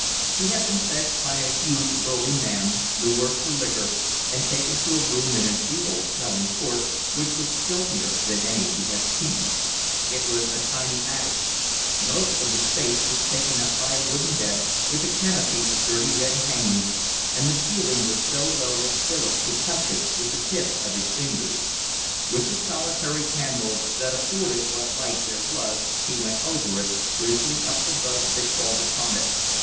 He had been fetched by a huge, burly man, the worse for liquor, and taken to a room in an evil smelling court, which was filthier than any he had seen: it was a tiny attic; most of the space was taken up by a wooden bed, with a canopy of dirty red hangings, and the ceiling was so low that Philip could touch it with the tips of his fingers; with the solitary candle that afforded what light there was he went over it, frizzling up the bugs that crawled upon it.